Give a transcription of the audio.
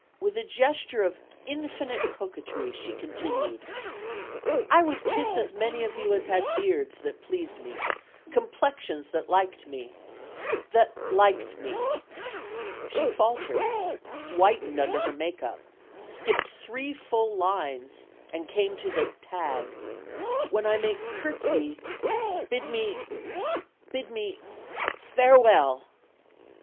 With a gesture of infinite coquetry she continued: I would kiss as many of you as had bearda that pleased me; complexions that liked me that liked me " She faltered, whitened under her make up, skipped three full lines, and came to the "tag:" when I make curtsy bid me bid me farewell